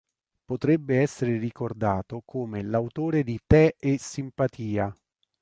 Potrebbe essere ricordato come l'autore di Tè e simpatia.